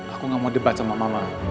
aku gak mau debat sama mama